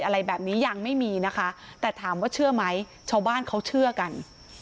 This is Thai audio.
อะไรแบบนี้ยังไม่มีนะคะแต่ถามว่าเชื่อไหมชาวบ้านเขาเชื่อกัน